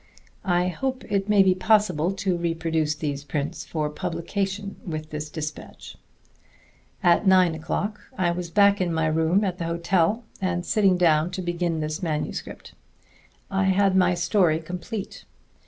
I hope it may be possible to reproduce these prints for publication with this despatch. At nine o'clock I was back in my room at the hotel and sitting down to begin this manuscript. I had my story complete.